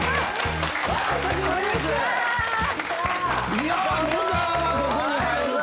いや野沢がここに入ると。